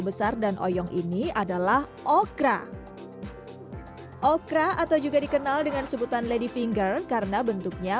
besar dan oyong ini adalah okra okra atau juga dikenal dengan sebutan lady finger karena bentuknya